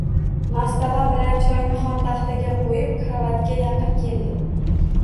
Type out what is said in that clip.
Mastava bilan choyni xontaxtaga qo‘yib, karavotga yaqin keldi